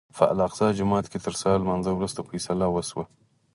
په الاقصی جومات کې تر سهار لمانځه وروسته فیصله وشوه.